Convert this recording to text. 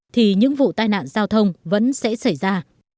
thì những vụ tai nạn giao thông vẫn sẽ xảy ra